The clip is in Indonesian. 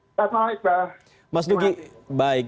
selamat malam isbah